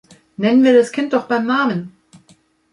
Nennen wir das Kind doch beim Namen.